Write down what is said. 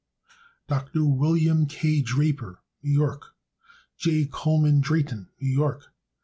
Dr. Wm. K. Draper, New York. J. Coleman Drayton, New York.